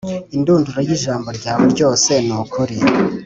Indunduro y ijambo ryawe ryose ni ukuri